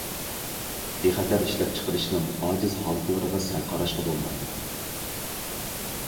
بىخەتەر ئىشلەپچىقىرىشنىڭ ئاجىز ھالقىلىرىغا سەل قاراشقا بولمايدۇ.